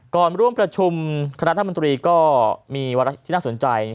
ก่อนร่วมประชุมคณะธนบัตริก็มีวัตถ์ที่น่าสนใจ